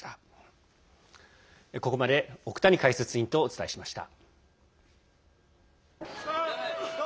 ここまで奥谷解説委員とお伝えしました。